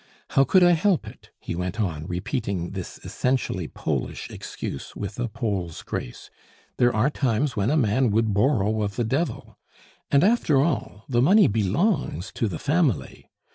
How could I help it," he went on, repeating this essentially Polish excuse with a Pole's grace; "there are times when a man would borrow of the Devil. And, after all, the money belongs to the family.